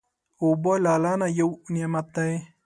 اوبه له الله نه یو نعمت دی.